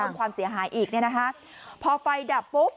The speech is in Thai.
ความเสียหายอีกเนี่ยนะคะพอไฟดับปุ๊บ